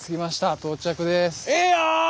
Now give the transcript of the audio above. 到着です。